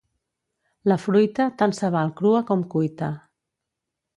La fruita tant se val crua com cuita.